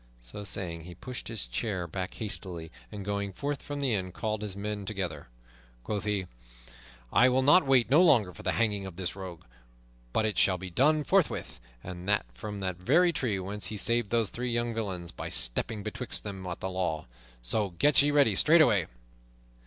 So saying, he pushed his chair back hastily, and going forth from the inn called his men together. Quoth he, "I will wait no longer for the hanging of this rogue, but it shall be done forthwith, and that from the very tree whence he saved those three young villains by stepping betwixt them and the law. So get ye ready straightway."